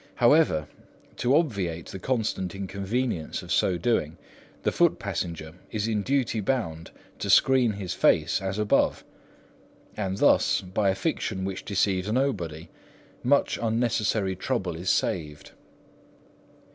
However to obviate the constant inconvenience of so doing, the foot passenger is in duty bound to screen his face as above; and thus, by a fiction which deceives nobody, much unnecessary trouble is saved.